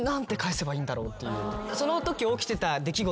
そのとき起きてた出来事